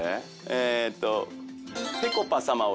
えーっと。